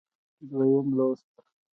دویم لوست